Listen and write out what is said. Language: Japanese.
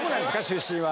出身は。